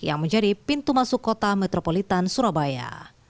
yang menjadi pintu masuk kota metropolitan surabaya